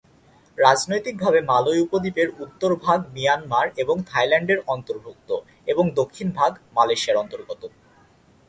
রাজনৈতিকভাবে মালয় উপদ্বীপের উত্তর ভাগ মিয়ানমার ও থাইল্যান্ডের অন্তর্ভুক্ত এবং দক্ষিণ ভাগ মালয়েশিয়ার অন্তর্গত।